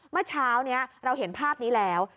เมื่อเช้านี้เราเห็นภาพนี้แล้ว